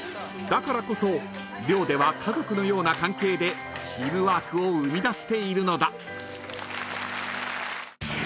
［だからこそ寮では家族のような関係でチームワークを生み出しているのだ］